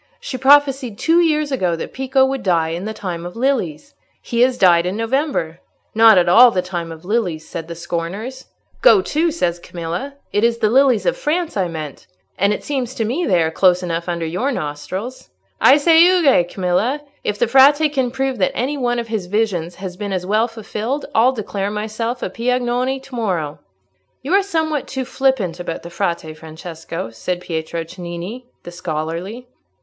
She prophesied two years ago that Pico would die in the time of lilies. He has died in November. 'Not at all the time of lilies,' said the scorners. 'Go to!' says Camilla; 'it is the lilies of France I meant, and it seems to me they are close enough under your nostrils.' I say, 'Euge, Camilla!' If the Frate can prove that any one of his visions has been as well fulfilled, I'll declare myself a Piagnone to morrow." "You are something too flippant about the Frate, Francesco," said Pietro Cennini, the scholarly.